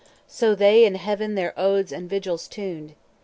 So they in Heaven their odes and vigils tuned.